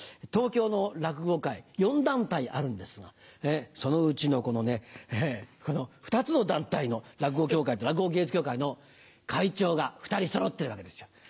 東京の落語界４団体あるんですがそのうちのこの２つの団体の落語協会と落語芸術協会の会長が２人揃ってるわけですよ。